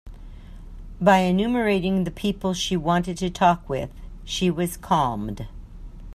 By enumerating the people she wanted to talk with, she was calmed.